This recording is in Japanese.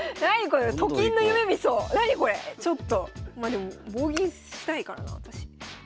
まあでも棒銀したいからな私。